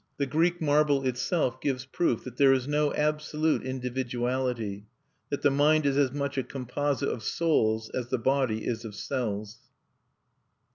The Greek marble itself gives proof that there is no absolute individuality, that the mind is as much a composite of souls as the body is of cells.